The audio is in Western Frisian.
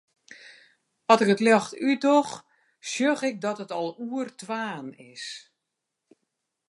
At ik it ljocht útdoch, sjoch ik dat it al oer twaen is.